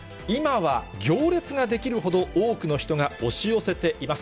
今は、行列が出来るほど多くの人が押し寄せています。